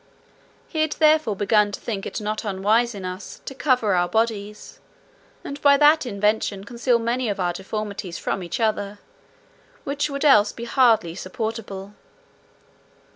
He had therefore begun to think it not unwise in us to cover our bodies, and by that invention conceal many of our deformities from each other, which would else be hardly supportable.